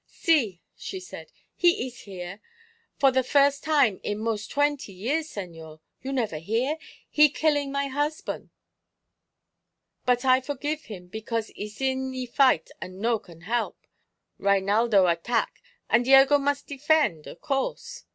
"Si!" she said. "He ees here for the firs' time in mos' twenty years, señor. You never hear? He killing my husban'. But I forgive him because ees in the fight and no can help. Reinaldo attack, and Diego mus' defend, of course.